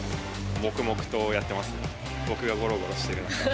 黙々とやってますね。